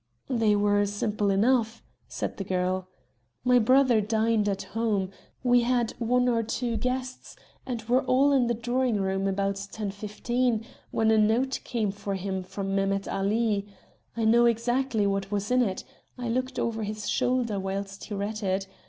"They were simple enough," said the girl. "My brother dined at home. We had one or two guests, and were all in the drawing room about 10 15, when a note came for him from Mehemet Ali. I know exactly what was in it. I looked over his shoulder whilst he read it.